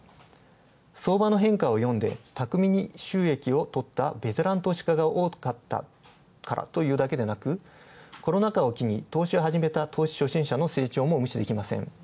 相場の変化を読んで、たくみに収益をとったベテラン投資家が多かったから、コロナ禍を機に投資初心者の成長も無視できません。